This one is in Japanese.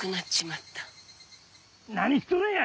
何しとるんや！